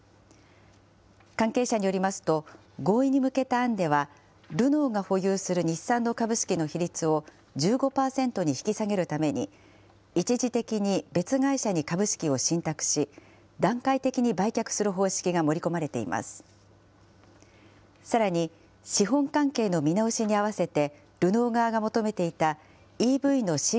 関係者によりますと、合意に向けた案では、ルノーが保有する日産の株式の比率を１５％に引き下げるために、一時的に別会社に株式を信託し、段階的に売却する方式が盛り込まれています。